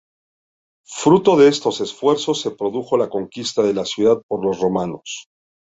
Fruto de estos esfuerzos se produjo la conquista de la ciudad por los romanos.